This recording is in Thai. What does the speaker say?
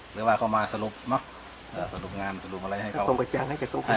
หรือว่าเขามาสรุปมาสรุปงานสรุปอะไรให้เขา